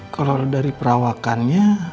kalau dari perawakannya